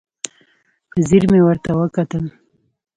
په ځیر مې ورته وکتل.